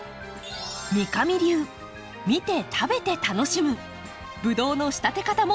三上流見て食べて楽しむブドウの仕立て方も登場。